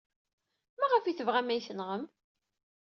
Maɣef ay tebɣam ad iyi-tenɣem?